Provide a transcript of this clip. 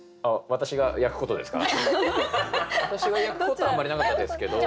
私が焼くことはあんまりなかったですけど。